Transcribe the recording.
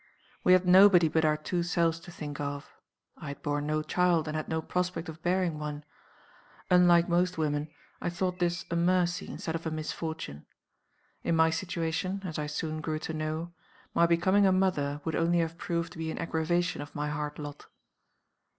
We had nobody but our two selves to think of. I had borne no child, and had no prospect of bearing one. Unlike most women, I thought this a mercy instead of a misfortune. In my situation (as I soon grew to know) my becoming a mother would only have proved to be an aggravation of my hard lot.